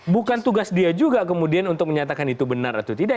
bukan tugas dia juga kemudian untuk menyatakan itu benar atau tidak